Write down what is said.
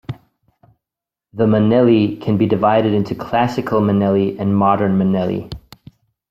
The manele can be divided into "classical manele" and "modern manele".